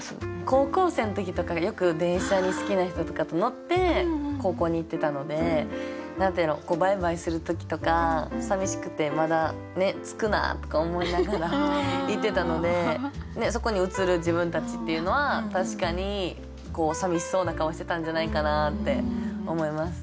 高校生の時とかよく電車に好きな人とかと乗って高校に行ってたのでバイバイする時とかさみしくて「まだ着くな」とか思いながら行ってたのでそこに映る自分たちっていうのは確かにさみしそうな顔してたんじゃないかなって思います。